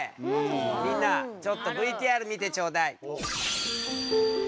みんなちょっとＶＴＲ見てちょうだい。